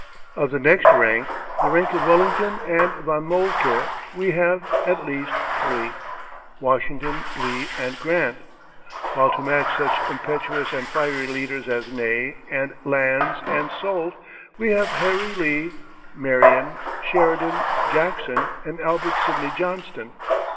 Of the next rank the rank of Wellington and Von Moltke we have, at least, three, Washington, Lee, and Grant; while to match such impetuous and fiery leaders as Ney, and Lannes, and Soult, we have Harry Lee, Marion, Sheridan, Jackson, and Albert Sidney Johnston.